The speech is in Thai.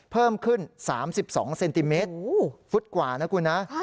เพิ่มขึ้น๓๒เซนติเมตรฟุตกว่านะคุณนะ